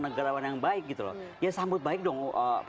negarawan yang baik gitu loh ya sambut baik dong